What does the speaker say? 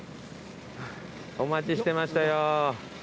お待ちしてましたよ。